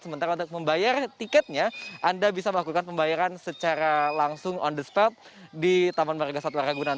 sementara untuk membayar tiketnya anda bisa melakukan pembayaran secara langsung on the spot di taman marga satwa ragunan